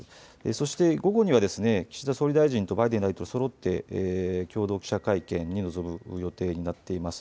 そして午後には岸田総理大臣とバイデン大統領とそろって共同記者会見に臨むことになっています。